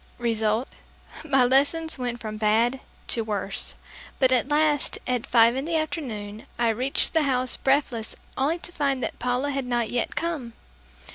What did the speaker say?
Result my lessons went from bad to worse, but at last at five in the afternoon, I reached the house breathless only to find that Paula had not yet come.